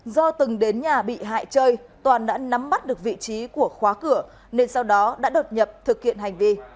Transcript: do từng đến nhà bị hại chơi toàn đã nắm bắt được vị trí của khóa cửa nên sau đó đã đột nhập thực hiện hành vi